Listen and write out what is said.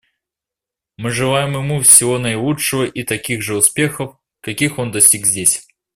Мы желаем ему всего наилучшего и таких же успехов, каких он достиг здесь.